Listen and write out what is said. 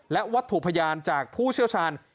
และวัตถุพยานจากผู้เชี่ยวชาญ